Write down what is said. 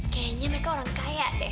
kayaknya mereka orang kaya deh